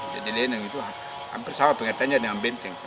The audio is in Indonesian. jadi lenong itu hampir sama pengertiannya dengan benteng